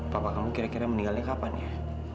bapak kamu kira kira meninggalnya kapan ya